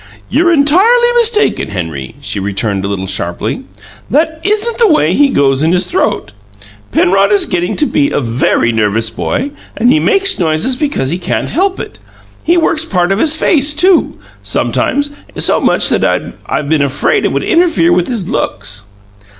"You're entirely mistaken, Henry," she returned a little sharply. "That isn't the way he goes in his throat. Penrod is getting to be a VERY nervous boy, and he makes noises because he can't help it. He works part of his face, too, sometimes, so much that I've been afraid it would interfere with his looks."